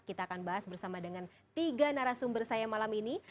kita akan bahas bersama dengan tiga narasumber saya malam ini